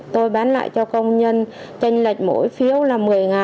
tôi bán lại cho công nhân tranh lệch mỗi phiếu là một mươi